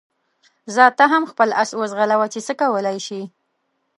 ځه ته هم خپل اس وځغلوه چې څه کولای شې.